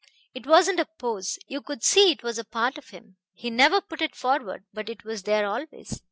It wasn't a pose; you could see it was a part of him. He never put it forward, but it was there always.